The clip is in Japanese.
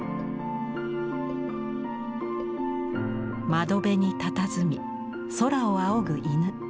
窓辺にたたずみ空を仰ぐ犬。